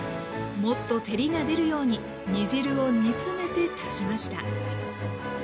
もっと照りが出るように煮汁を煮詰めて足しました